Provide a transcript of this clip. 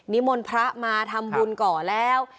มนต์พระมาทำบุญก่อนแล้ว